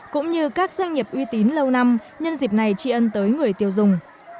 cũng như các doanh nghiệp uy tín lâu năm nhân dịp này tri ân tới người tiêu dùng